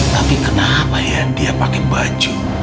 tapi kenapa ya dia pakai baju